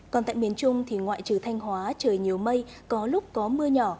còn tại miền trung thì ngoại trừ thanh hóa trời nhiều mây có lúc có mưa nhỏ